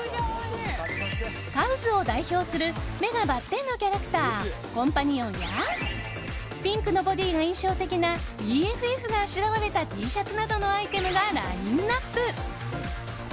ＫＡＷＳを代表する目がバッテンのキャラクターコンパニオンやピンクのボディーが印象的なＢＦＦがあしらわれたＴシャツなどのアイテムがラインアップ。